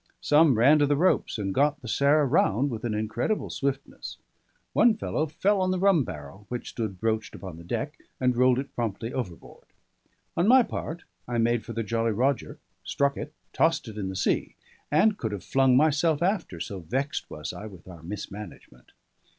Some ran to the ropes, and got the Sarah round with an incredible swiftness. One fellow fell on the rum barrel, which stood broached upon the deck, and rolled it promptly overboard. On my part, I made for the Jolly Roger, struck it, tossed it in the sea; and could have flung myself after, so vexed was I with our mismanagement.